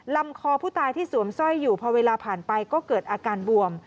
ลำคอผู้ตายที่สวมสร้อยอยู่พอเวลาผ่านไปก็เกิดอาการบวม